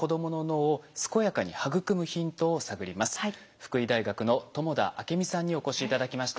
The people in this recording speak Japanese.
福井大学の友田明美さんにお越し頂きました。